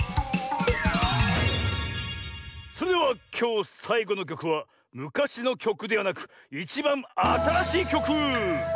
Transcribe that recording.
それではきょうさいごのきょくはむかしのきょくではなくいちばんあたらしいきょく！